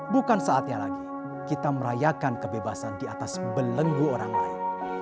bukan saatnya lagi kita merayakan kebebasan di atas belenggu orang lain